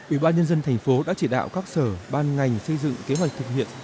ủy ban nhân dân thành phố đã chỉ đạo các sở ban ngành xây dựng kế hoạch thực hiện